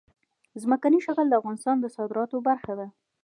ځمکنی شکل د افغانستان د صادراتو برخه ده.